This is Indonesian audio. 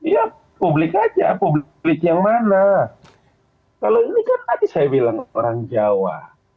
ya publik aja publik yang mana kalau ini kan tadi saya bilang orang jawa